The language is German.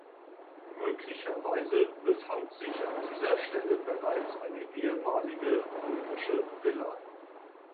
Möglicherweise befand sich an dieser Stelle bereits eine ehemalige römische Villa.